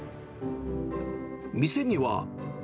店には。